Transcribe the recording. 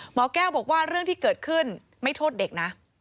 หมอแก้วบอกว่าเรื่องที่เกิดขึ้นไม่โทษเด็กนะ